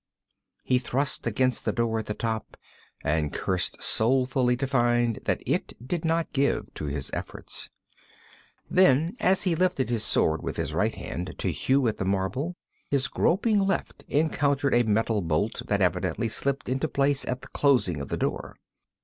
He thrust against the door at the top, and cursed soulfully to find that it did not give to his efforts. Then as he lifted his sword with his right hand to hew at the marble, his groping left encountered a metal bolt that evidently slipped into place at the closing of the door.